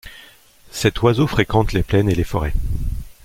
Cet oiseau fréquente les plaines et les forêts.